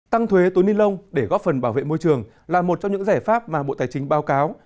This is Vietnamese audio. tăng thuế túi ni lông để góp phần bảo vệ môi trường là một trong những giải pháp mà bộ tài chính báo cáo